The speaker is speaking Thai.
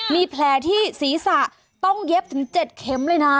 มีแผลที่ศีรษะต้องเย็บถึง๗เข็มเลยนะ